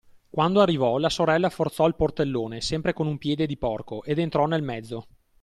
Quando arrivò, la sorella forzò il portellone, sempre con un piede di porco, ed entrò nel mezzo.